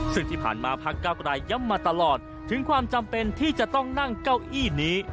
ซึ่งที่ผ่านมาพักเก้าไกรย้ำมาตลอดถึงความจำเป็นที่จะต้องนั่งเก้าอี้นี้